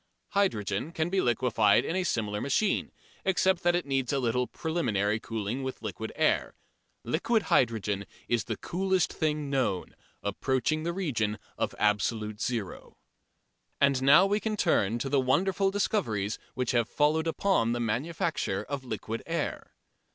Hydrogen can be liquefied in a similar machine, except that it needs a little preliminary cooling with liquid air. Liquid hydrogen is the coolest thing known approaching the region of absolute zero. And now we can turn to the wonderful discoveries which have followed upon the manufacture of liquid air.